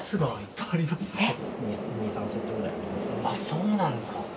そうなんですか。